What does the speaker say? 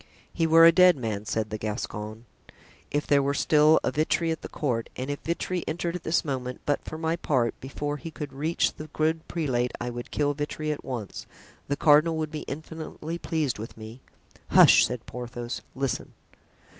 ("He were a dead man" said the Gascon, "if there were still a Vitry at the court and if Vitry entered at this moment; but for my part, before he could reach the good prelate I would kill Vitry at once; the cardinal would be infinitely pleased with me." "Hush!" said Porthos; "listen.")